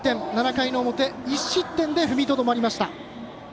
７回の表、１失点で踏みとどまりました。